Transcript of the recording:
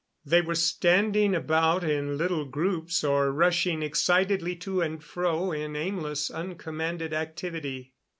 They were standing about in little groups or rushing excitedly to and fro in aimless, uncommanded activity.